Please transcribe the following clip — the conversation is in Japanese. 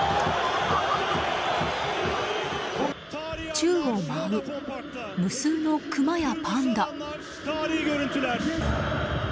宙を舞う、無数のクマやパンダ。